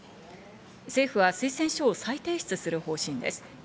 政府は推薦書を再提出する方針です。